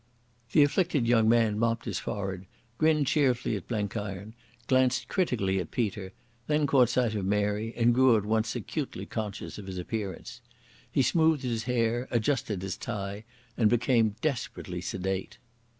The afflicted young man mopped his forehead, grinned cheerfully at Blenkiron, glanced critically at Peter, then caught sight of Mary and grew at once acutely conscious of his appearance. He smoothed his hair, adjusted his tie and became desperately sedate.